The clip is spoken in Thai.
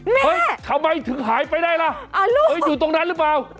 เฮ้ยทำไมถึงหายไปได้ล่ะอยู่ตรงนั้นหรือเปล่า